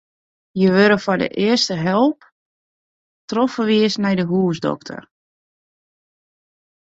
Hja wurde foar de earste help trochferwiisd nei de húsdokter.